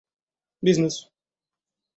бизнес